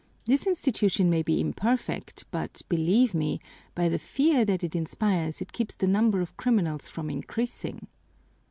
This institution may be imperfect, but, believe me, by the fear that it inspires it keeps the number of criminals from increasing."